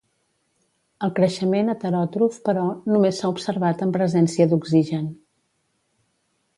El creixement heteròtrof, però, només s'ha observat en presència d'oxigen.